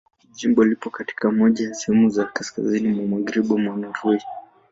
Jimbo lipo katika moja ya sehemu za kaskazini mwa Magharibi mwa Norwei.